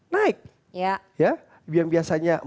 naik ya yang biasanya